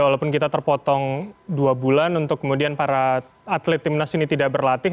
walaupun kita terpotong dua bulan untuk kemudian para atlet timnas ini tidak berlatih